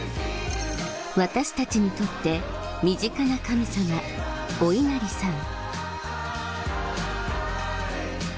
私たちにとって身近な神様お稲荷さん